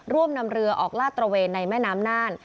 นำเรือออกลาดตระเวนในแม่น้ำน่าน